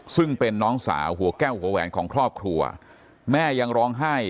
ซึ่งเป็นน้องสาวหัวแก้วหัวแหวนของครอบครัวแม่ยังร้องไห้